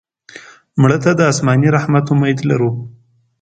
مړه ته د آسماني رحمت امید لرو